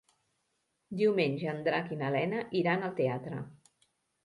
Diumenge en Drac i na Lena iran al teatre.